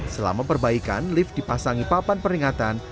selama perbaikan lift dipasangi papan peringatan